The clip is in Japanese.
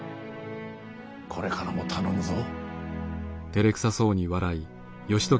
これからも頼むぞ。